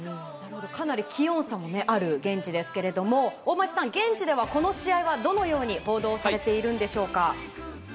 かなり気温差もある現地ですが大町さん、現地ではこの試合はどのように報道されていますか。